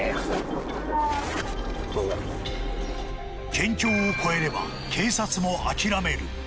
「県境を越えれば警察も諦める」